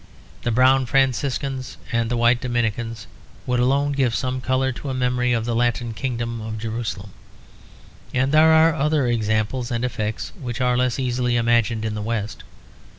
The brown Franciscans and the white Dominicans would alone give some colour to a memory of the Latin kingdom of Jerusalem; and there are other examples and effects which are less easily imagined in the West.